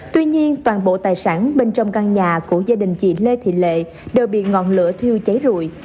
tuy nhiên toàn bộ tài sản bên trong căn nhà của gia đình chị lê thị lệ đều bị ngọn lửa thiêu cháy rụi